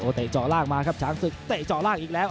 โอ้เตะจ่อล่างมาครับช้างศึกเตะจ่อล่างอีกแล้ว